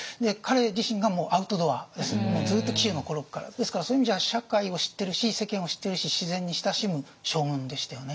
ですからそういう意味じゃ社会を知ってるし世間を知ってるし自然に親しむ将軍でしたよね。